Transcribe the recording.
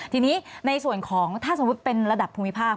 ทีนี้ในส่วนของถ้าสมมุติเป็นระดับภูมิภาค